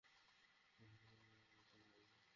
শুধুমাত্র ভাবতেই পারবো।